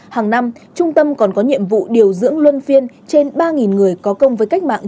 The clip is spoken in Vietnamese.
hàng năm trung tâm còn có nhiệm vụ điều dưỡng luân phiên trên ba người có công với cách mạng